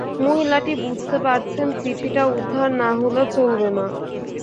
মহিলাটি বুঝতে পারছেন চিঠিটা উদ্ধার না হলে চলবে না।